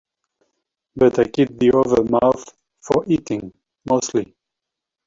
But I keep the other mouth for eating — mostly.